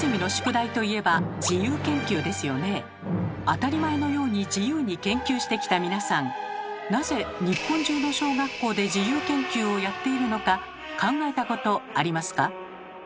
当たり前のように自由に研究してきた皆さんなぜ日本中の小学校で自由研究をやっているのか考えたことありますか？